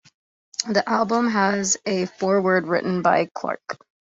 The album has a foreword written by Clarke.